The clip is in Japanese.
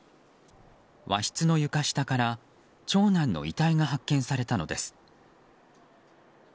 和室の床下から長男の遺体が発見されたのです。